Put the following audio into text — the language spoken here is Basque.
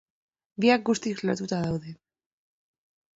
Biak guztiz lotuta daude.